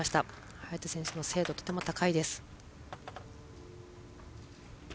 早田選手の精度、とても高いです。